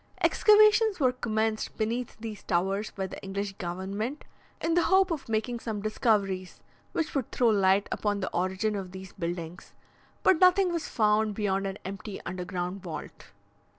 Excavations were commenced beneath these towers by the English government in the hope of making some discoveries which would throw light upon the origin of these buildings; but nothing was found beyond an empty underground vault.